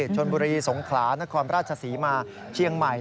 ชนบุรีสงขลานครราชศรีมาเชียงใหม่